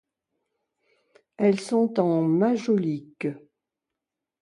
Elles sont en majolique.